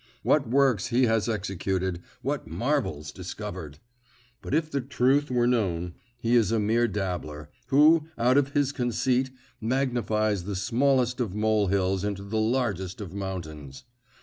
What works he has executed, what marvels discovered! But if the truth were known, he is a mere dabbler, who, out of his conceit, magnifies the smallest of molehills into the largest of mountains.